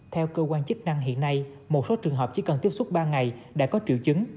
theo cơ quan chức năng hiện nay một số trường hợp chỉ cần tiếp xúc ba ngày đã có triệu chứng